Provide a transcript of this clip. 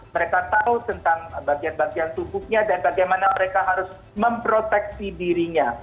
mereka tahu tentang bagian bagian tubuhnya dan bagaimana mereka harus memproteksi dirinya